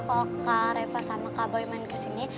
kalau kak reva sama kak boy main kesini